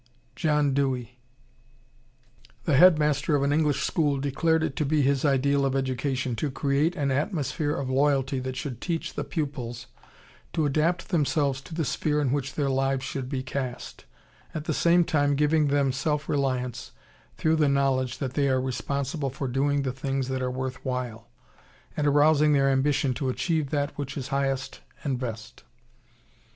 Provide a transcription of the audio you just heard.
John Dewey. The Head Master of an English school declared it to be his ideal of education to create an atmosphere of loyalty that should teach the pupils to adapt themselves to the sphere in which their lives should be cast, at the same time giving them self reliance through the knowledge that they are responsible for doing the things that are worth while, and arousing their ambition to achieve that which is highest and best.